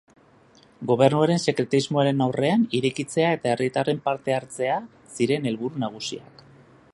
Gobernuaren sekretismoaren aurrean, irekitzea eta herritarren parte-hartzea ziren helburu nagusiak.